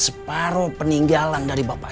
separuh peninggalan dari bapak